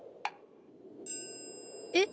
えっ？